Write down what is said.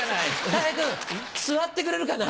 たい平君座ってくれるかな？